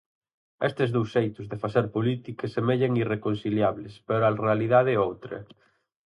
Estes dous xeitos de facer política semellan irreconciliables, pero a realidade é outra.